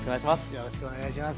よろしくお願いします。